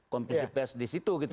kompensipias di situ gitu